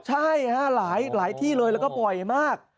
ใช่ฮะหลายที่เลยแล้วก็บ่อยมาก